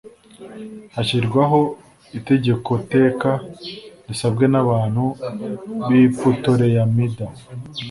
hashyirwaho itegekoteka, risabwe n'abantu b'i putolemayida